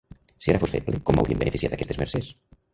Si ara fos feble, com m'haurien beneficiat aquestes mercès?